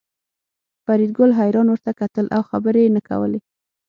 فریدګل حیران ورته کتل او خبرې یې نه کولې